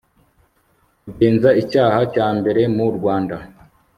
kugenza icyaha cya mbere mu rwanda